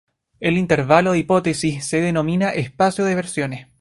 El intervalo de hipótesis se denomina espacio de versiones.